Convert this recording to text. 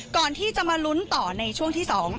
ก่อนที่จะมาลุ้นต่อในช่วงที่๒